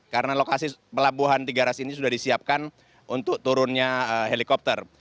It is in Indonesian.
karena lokasi pelabuhan tiga ras ini sudah disiapkan untuk turunnya helikopter